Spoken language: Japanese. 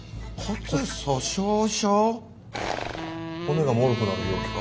骨がもろくなる病気か？